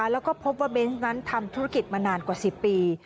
แล้วก็พบว่าเบนส์นั้นทำธุรกิจมานานกว่า๑๐ปี